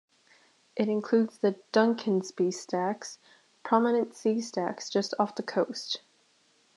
It includes the Duncansby Stacks, prominent sea stacks just off the coast.